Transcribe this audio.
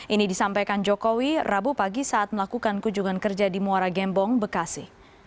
ini disampaikan jokowi rabu pagi saat melakukan kunjungan kerja di muara gembong bekasi